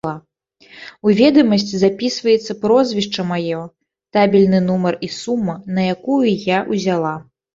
У ведамасць запісваецца прозвішча маё, табельны нумар і сума, на якую я ўзяла.